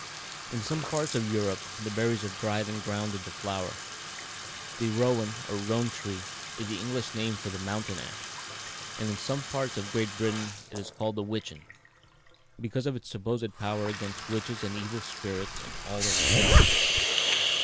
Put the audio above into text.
In some parts of Europe the berries are dried and ground into flour. The rowan, or roan, tree is the English name of the mountain ash, and in some parts of Great Britain it is called witchen, because of its supposed power against witches and evil spirits and all their spells.